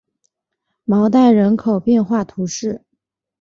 昂代人口变化图示